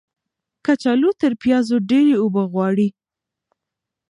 کچالو تر پیازو ډیرې اوبه غواړي.